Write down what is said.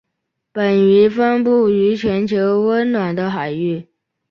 本鱼分布于全球温暖的海域。